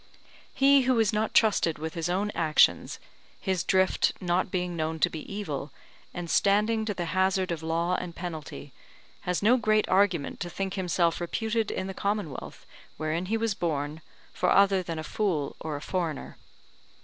He who is not trusted with his own actions, his drift not being known to be evil, and standing to the hazard of law and penalty, has no great argument to think himself reputed in the Commonwealth wherein he was born for other than a fool or a foreigner.